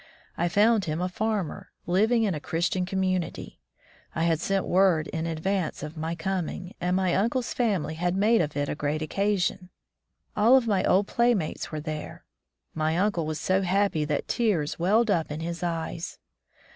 I found him a farmer, living in a Christian commimity. I had sent word in advance of my coming, and my uncle's 144 Civilization as Preached and Practised family had made of it a great occasion. All of my old playmates were there. My uncle was so happy that tears welled up in his eyes.